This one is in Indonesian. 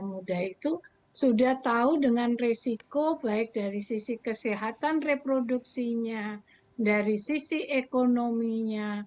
muda itu sudah tahu dengan resiko baik dari sisi kesehatan reproduksinya dari sisi ekonominya